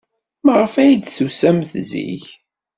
Maɣef ay d-tusamt zik?